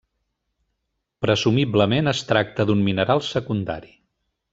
Presumiblement es tracta d'un mineral secundari.